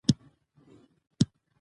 موږ به خپل هدف ته رسیږو.